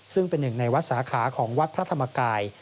ซึ่งเป็นหนึ่งในวัดสาขาของวัดพระธรรมกาย